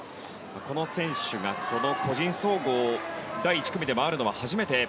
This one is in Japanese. この選手が、個人総合第１組で回るのは初めて。